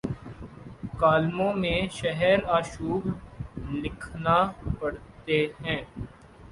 کالموں میں شہر آشوب لکھنا پڑتے ہیں۔